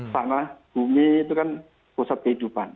tanah bumi itu kan pusat kehidupan